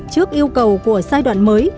trước yêu cầu của giai đoạn mới